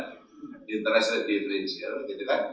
kalau bisa di transfer jadi kan